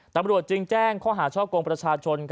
ตัวประโยชน์จึงแจ้งข้อหาช่อโครงประชาชน